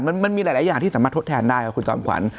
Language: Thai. มันมีหลายอย่างที่สามารถทดแทนได้ครับคุณจอมขวัญ